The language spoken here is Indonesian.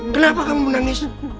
kenapa kamu menangis